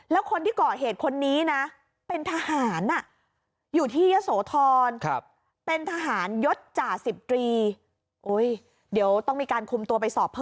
แล้วคนที่ก่อเหตุคนนี้นะ